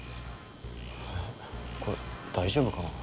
えっこれ大丈夫かな？